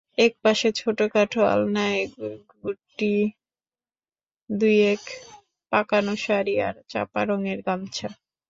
এক পাশে ছোটো খাট, আলনায় গুটি-দুয়েক পাকানো শাড়ি আর চাঁপা-রঙের গামছা।